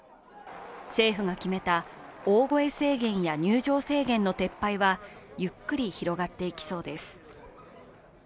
政府が決めた大声制限や入場制限の撤廃はゆっくり広がっていきそうです。